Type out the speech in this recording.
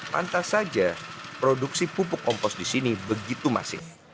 pantas saja produksi pupuk kompos di sini begitu masif